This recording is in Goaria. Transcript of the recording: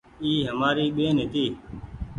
اي همآري ٻين هيتي ۔